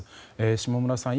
下村さん